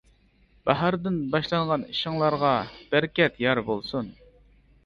باھاردىن باشلانغان ئىشلىرىڭلارغا بەرىكەت يار بولسۇن!